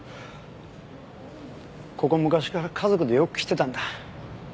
ここ昔から家族でよく来てたんだ。